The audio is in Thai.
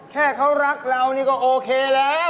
แค่เขารักเรานี่ก็โอเคแล้ว